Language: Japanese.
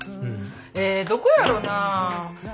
えーどこやろうな。